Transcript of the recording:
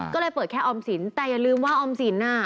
ก็เลยเปิดแค่ออมสินแต่อย่าลืมว่าออมสินอ่ะ